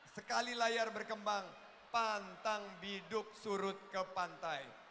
sekali layar berkembang pantang biduk surut ke pantai